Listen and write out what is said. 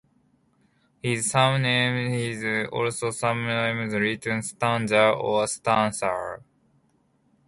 His surname is also sometimes written "Stanzer" or "Stancer".